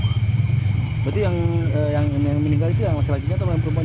berarti yang meninggal itu yang laki lakinya atau yang perempuan